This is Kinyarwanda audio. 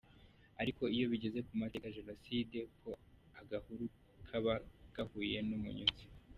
Ariko iyo bigeze ku mateka ya jenoside ho agahuru kaba gahuye n’umunyutsi.